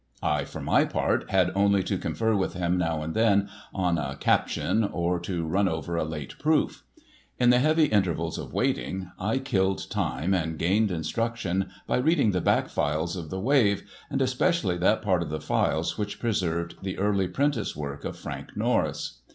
I, for my part, had only to confer with him now and then on a "Caption" or to run over a late proof. In the heavy intervals of waiting, I killed time and gained instruction by reading the back files of the Wave, and especially that part of the files which preserved the early, prentice work of Frank Norris.